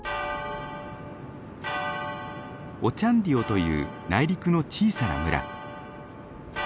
オチャンディオという内陸の小さな村。